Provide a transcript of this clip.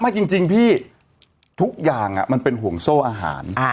จริงพี่ทุกอย่างมันเป็นห่วงโซ่อาหาร